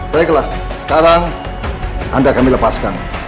baiklah sekarang anda kami lepaskan